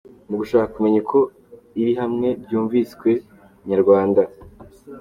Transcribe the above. Mu gushaka kumenya uko iri hame ryumviswe, Inyarwanda.